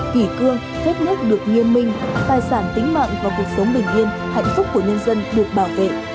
kỷ cương phép nước được nghiêm minh tài sản tính mạng và cuộc sống bình yên hạnh phúc của nhân dân được bảo vệ